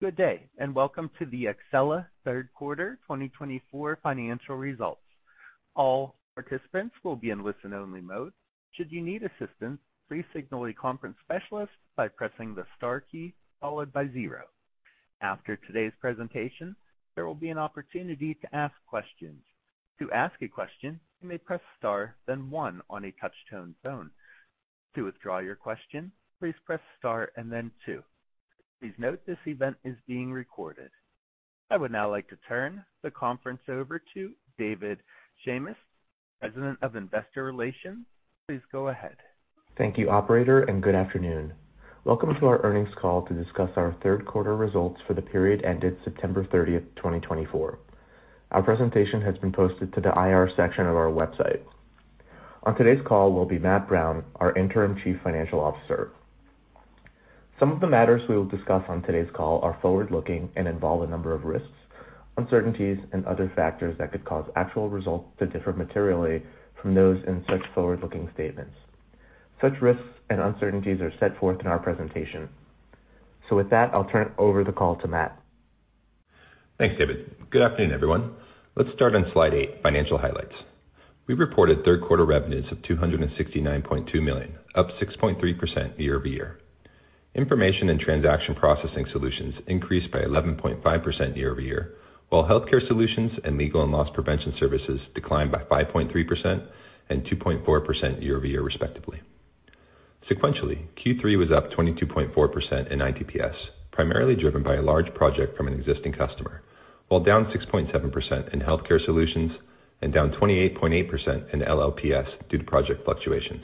Good day, and welcome to the Exela Third Quarter 2024 financial results. All participants will be in listen-only mode. Should you need assistance, please signal a conference specialist by pressing the star key followed by zero. After today's presentation, there will be an opportunity to ask questions. To ask a question, you may press star, then one on a touch-tone phone. To withdraw your question, please press star and then two. Please note this event is being recorded. I would now like to turn the conference over to David Schamis, President of Investor Relations. Please go ahead. Thank you, Operator, and good afternoon. Welcome to our earnings call to discuss our third quarter results for the period ended September 30th, 2024. Our presentation has been posted to the IR section of our website. On today's call will be Matt Brown, our Interim Chief Financial Officer. Some of the matters we will discuss on today's call are forward-looking and involve a number of risks, uncertainties, and other factors that could cause actual results to differ materially from those in such forward-looking statements. Such risks and uncertainties are set forth in our presentation. With that, I'll turn the call over to Matt. Thanks, David. Good afternoon, everyone. Let's start on slide eight, financial highlights. We reported third quarter revenues of $269.2 million, up 6.3% year over year. Information and Transaction Processing Solutions increased by 11.5% year over year, while Healthcare Solutions and Legal and Loss Prevention Services declined by 5.3% and 2.4% year-over-year, respectively. Sequentially, Q3 was up 22.4% in ITPS, primarily driven by a large project from an existing customer, while down 6.7% in Healthcare Solutions and down 28.8% in LLPS due to project fluctuations.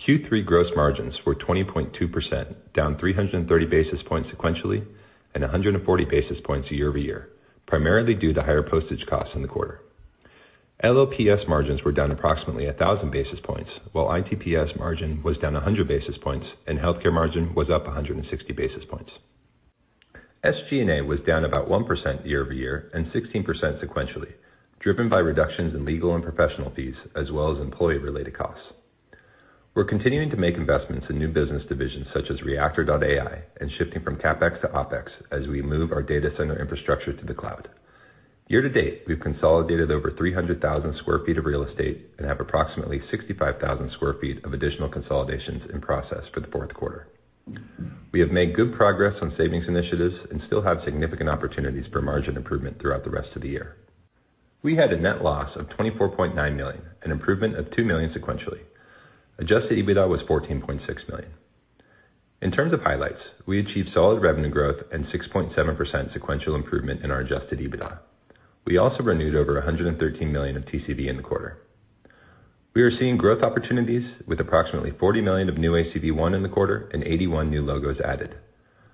Q3 gross margins were 20.2%, down 330 basis points sequentially and 140 basis points year over year, primarily due to higher postage costs in the quarter. LLPS margins were down approximately 1,000 basis points, while ITPS margin was down 100 basis points and healthcare margin was up 160 basis points. SG&A was down about 1% year over year and 16% sequentially, driven by reductions in legal and professional fees as well as employee-related costs. We're continuing to make investments in new business divisions such as Reactor.AI and shifting from CapEx to OpEx as we move our data center infrastructure to the cloud. Year to date, we've consolidated over 300,000 sq ft of real estate and have approximately 65,000 sq ft of additional consolidations in process for the fourth quarter. We have made good progress on savings initiatives and still have significant opportunities for margin improvement throughout the rest of the year. We had a net loss of $24.9 million, an improvement of $2 million sequentially. Adjusted EBITDA was $14.6 million. In terms of highlights, we achieved solid revenue growth and 6.7% sequential improvement in our adjusted EBITDA. We also renewed over $113 million of TCV in the quarter. We are seeing growth opportunities with approximately $40 million of new ACV won in the quarter and 81 new logos added.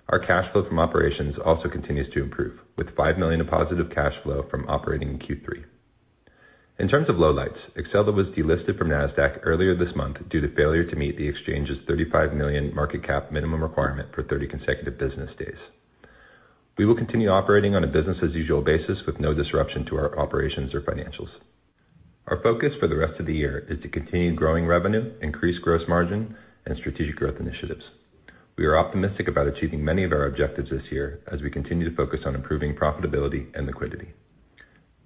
Our cash flow from operations also continues to improve, with $5 million of positive cash flow from operating in Q3. In terms of lowlights, Exela was delisted from Nasdaq earlier this month due to failure to meet the exchange's $35 million market cap minimum requirement for 30 consecutive business days. We will continue operating on a business-as-usual basis with no disruption to our operations or financials. Our focus for the rest of the year is to continue growing revenue, increase gross margin, and strategic growth initiatives. We are optimistic about achieving many of our objectives this year as we continue to focus on improving profitability and liquidity.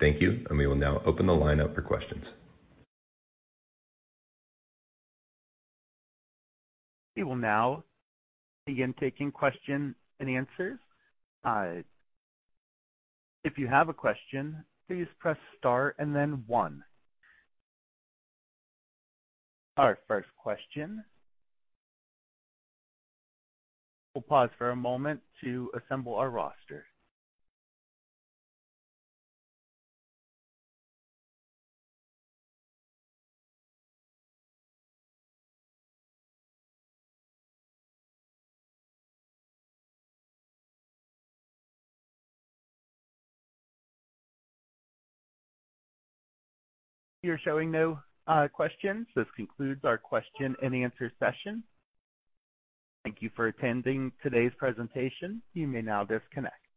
Thank you, and we will now open the line up for questions. We will now begin taking questions and answers. If you have a question, please press star and then one. Our first question. We'll pause for a moment to assemble our roster. You're showing no questions. This concludes our question and answer session. Thank you for attending today's presentation. You may now disconnect.